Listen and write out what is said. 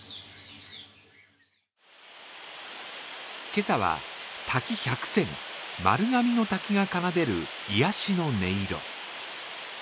今朝は滝百選、丸神の滝が奏でる癒やしの音色。